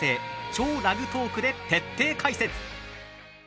「＃超ラグトーク」で徹底解説。